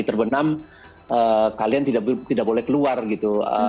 terbenam kalian tidak boleh keluar gitu